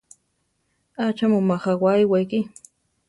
¿Acha mu majawá iwéki?